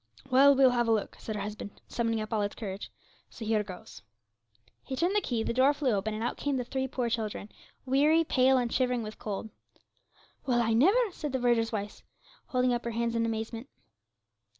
'Well, we'll have a look,' said her husband, summoning up all his courage; 'so here goes.' He turned the key, the door flew open, and out came the three poor children, weary, pale, and shivering with cold. 'Well, I never!' said the verger's wife, holding up her hands in amazement.